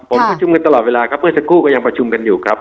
ผมประชุมกันตลอดเวลาครับเมื่อสักครู่ก็ยังประชุมกันอยู่ครับ